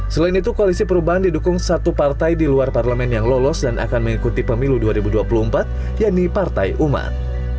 selain itu koalisi perubahan didukung satu partai di luar parlemen yang lolos dan akan mengikuti pemilu dua ribu dua puluh empat yakni partai umat